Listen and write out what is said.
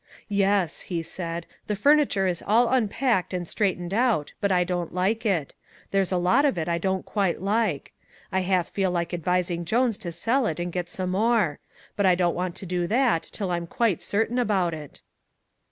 "Yes," he said, "the furniture is all unpacked and straightened out but I don't like it. There's a lot of it I don't quite like. I half feel like advising Jones to sell it and get some more. But I don't want to do that till I'm quite certain about it."